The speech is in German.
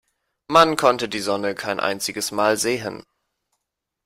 Man konnte die Sonne kein einziges Mal sehen.